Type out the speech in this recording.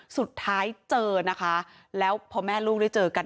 สุดท้ายเจอนะคะแล้วพอแม่ลูกได้เจอกัน